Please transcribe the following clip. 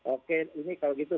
oke ini kalau gitu